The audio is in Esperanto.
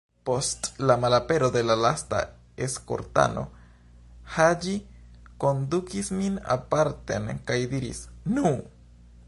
Post la malapero de la lasta eskortano, Haĝi kondukis min aparten kaj diris: "Nu!"